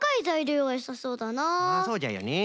そうじゃよね。